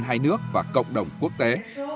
dân hai nước và cộng đồng quốc tế